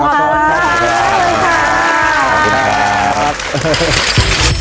ขอบคุณค่ะ